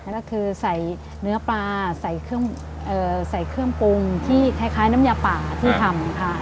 ก็คือใส่เนื้อปลาใส่เครื่องปรุงที่คล้ายน้ำยาป่าที่ทำค่ะ